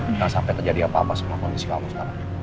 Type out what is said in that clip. jangan sampai terjadi apa apa semua kondisi kamu sekarang